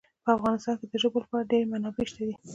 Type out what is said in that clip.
په افغانستان کې د ژبو لپاره ډېرې منابع شته دي.